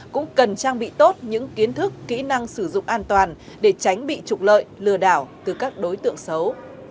cũng cần trang bị tốt những kiến thức kỹ năng sử dụng an toàn để tránh bị trục lợi lừa đảo từ các đối tượng xấu